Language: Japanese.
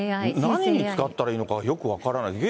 何に使ったらいいのか分からない。